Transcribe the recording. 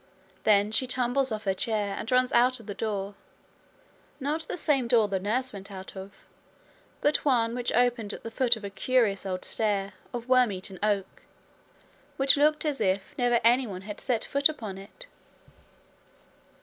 Then she tumbles off her chair and runs out of the door, not the same door the nurse went out of, but one which opened at the foot of a curious old stair of worm eaten oak, which looked as if never anyone had set foot upon it.